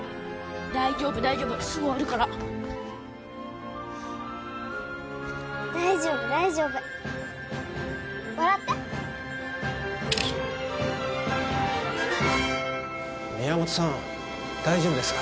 大丈夫大丈夫すぐ終わるから大丈夫大丈夫笑って宮本さん大丈夫ですか？